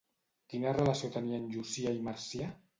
Quina relació tenien Llucià i Marcià?